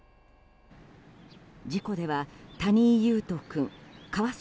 事故では、谷井勇斗君川染